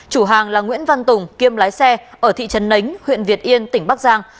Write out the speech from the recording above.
chủ hàng là nguyễn văn tùng kiêm lái xe ở thị trấn nấnh huyện việt yên tỉnh bắc giang